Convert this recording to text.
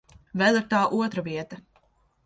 Vēl ir tā otra vieta.